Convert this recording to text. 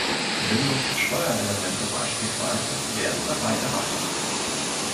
Windows-Steuerelemente beispielsweise werden dabei erweitert.